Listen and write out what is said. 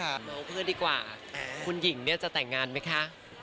น้องเพื่อนดีกว่าคุณหญิงเนี่ยจะแต่งงานไหมคะ